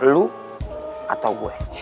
lu atau gue